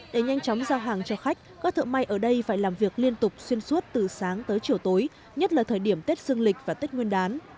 để nhanh chóng giao hàng cho khách các thợ may ở đây phải làm việc liên tục xuyên suốt từ sáng tới chiều tối nhất là thời điểm tết dương lịch và tết nguyên đán